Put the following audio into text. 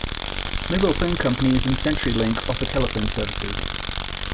Mobile phone companies and Century Link offer telephone services.